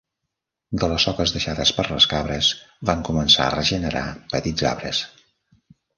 De les soques deixades per les cabres van començar a regenerar petits arbres.